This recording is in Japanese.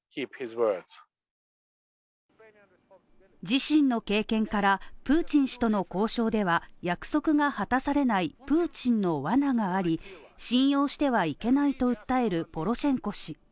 自身の経験から、プーチン氏との交渉では、約束が果たされないプーチンの罠があり、信用してはいけないと訴えるポロシェンコ氏。